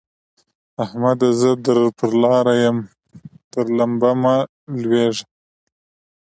احمده! زه در پر لاره يم؛ تر لمبه مه لوېږه.